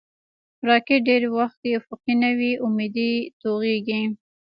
راکټ ډېری وخت افقي نه، عمودي توغېږي